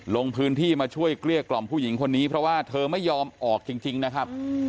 ลงพื้นที่มาช่วยเกลี้ยกล่อมผู้หญิงคนนี้เพราะว่าเธอไม่ยอมออกจริงนะครับ